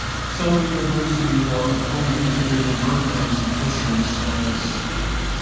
Some universities offer fully integrated programs in fisheries science.